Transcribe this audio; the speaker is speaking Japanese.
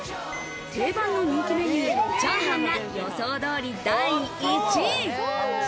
定番の人気メニュー、チャーハンが予想通り第１位。